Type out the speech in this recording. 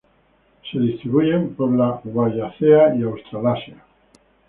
Se distribuyen por la Wallacea y Australasia.